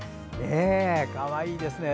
かわいいですね。